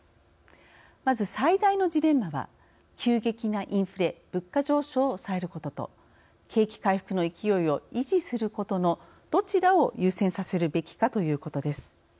まず最大のジレンマは急激なインフレ・物価上昇を抑えることと景気回復の勢いを維持することのどちらを優先させるべきかということです。